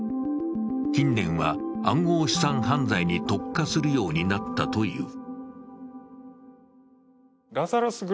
近年は暗号資産犯罪に特化するようになったという。